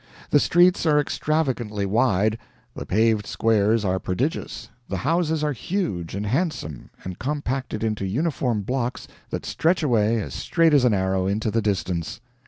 The streets are extravagantly wide, the paved squares are prodigious, the houses are huge and handsome, and compacted into uniform blocks that stretch away as straight as an arrow, into the distance.